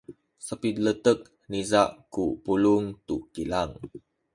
sapiletek niza ku pulung tu kilang.